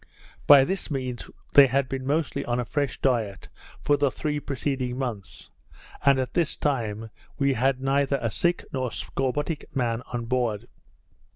By this means, they had been mostly on a fresh diet for the three preceding months; and at this time, we had neither a sick nor scorbutic man on board.